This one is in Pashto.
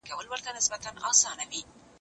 دوهمه نکته.